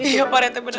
iya pak rete beneran